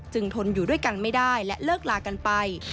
ทนอยู่ด้วยกันไม่ได้และเลิกลากันไป